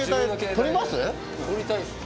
撮りたいです。